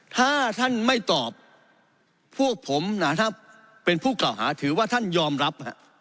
ถ้าท่านไม่ตอบพวกผมนะถ้าเป็นผู้เก่าหาถือว่าท่านยอมรับ